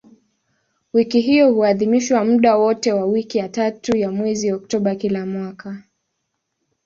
Wiki hiyo huadhimishwa muda wote wa wiki ya tatu ya mwezi Oktoba kila mwaka.